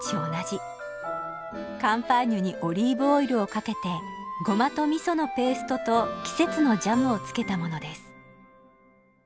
カンパーニュにオリーブオイルをかけてごまと味噌のペーストと季節のジャムをつけたものです。